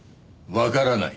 わからない？